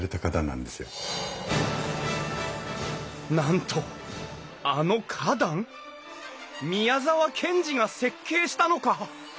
なんとあの花壇宮沢賢治が設計したのか！